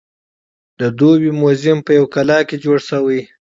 د دوبۍ موزیم په یوه کلا کې جوړ شوی.